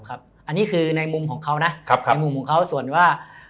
อันนี้คือในมุมของเขานะในมุมของเขาส่วนว่า